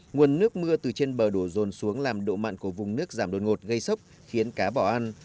nguồn nước mưa từ trên bờ đổ rồn xuống làm độ mặn của vùng nước giảm đột ngột gây sốc khiến cá bỏ ăn